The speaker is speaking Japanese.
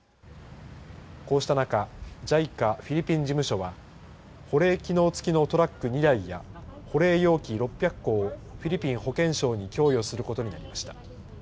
こうした中ＪＩＣＡ、フィリピン事務所は保冷機能付きのトラック２台や保冷容器６００個をフィリピン保健省に供与することになりました。